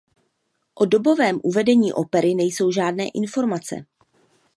O dobovém uvedení opery nejsou žádné informace.